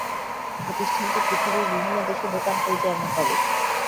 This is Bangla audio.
প্রতিষ্ঠানটি পৃথিবীর বিভিন্ন দেশে দোকান পরিচালনা করে।